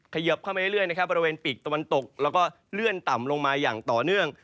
เขยิบเข้ามาเรื่อยนะครับบริเวณปีกตะวันตกแล้วก็เลื่อนต่ำลงมาอย่างต่อเนื่อง